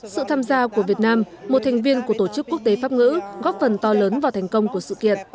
sự tham gia của việt nam một thành viên của tổ chức quốc tế pháp ngữ góp phần to lớn vào thành công của sự kiện